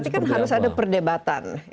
nah ini berarti kan harus ada perdebatan